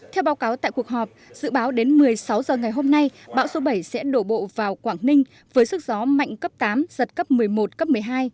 theo báo cáo tại cuộc họp dự báo đến một mươi sáu h ngày hôm nay bão số bảy sẽ đổ bộ vào quảng ninh với sức gió mạnh cấp tám giật cấp một mươi một cấp một mươi hai